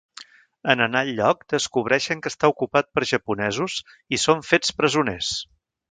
En anar al lloc descobreixen que està ocupat per japonesos i són fets presoners.